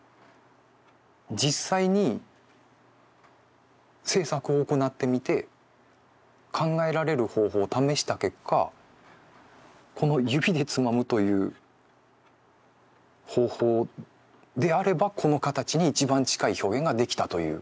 実際に制作を行ってみて考えられる方法を試した結果この指でつまむという方法であればこの形に一番近い表現ができたという。